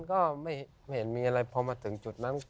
ก็ไม่เห็นมีอะไรพอมาถึงจุดนั้น